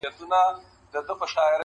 ما چي ټانګونه په سوکونو وهل!.